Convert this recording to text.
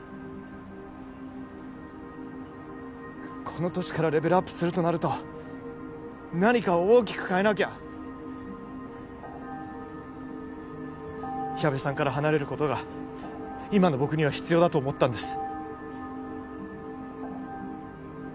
この年からレベルアップするとなると何かを大きく変えなきゃ矢部さんから離れることが今の僕には必要だと思ったんです